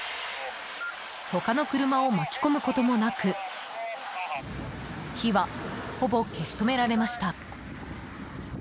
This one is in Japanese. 他の車を巻き込むこともなく火は、ほぼ消し止められました。